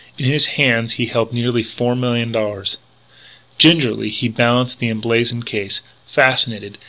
In his hands he held nearly four millions of dollars. Gingerly he balanced the emblazoned case, fascinated.